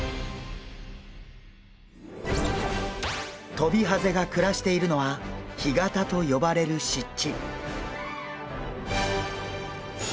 トビハゼが暮らしているのは干潟と呼ばれる湿地。